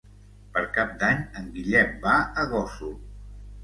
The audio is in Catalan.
Per Cap d'Any en Guillem va a Gósol.